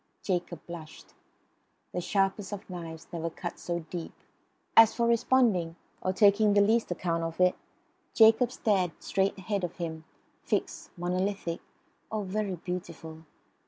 Jacob blushed. The sharpest of knives never cut so deep. As for responding, or taking the least account of it, Jacob stared straight ahead of him, fixed, monolithic oh, very beautiful!